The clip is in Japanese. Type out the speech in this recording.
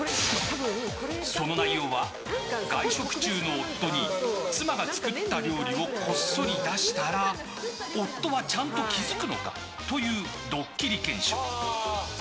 その内容は外食中の夫に妻が作った料理をこっそり出したら夫はちゃんと気づくのかというドッキリ検証。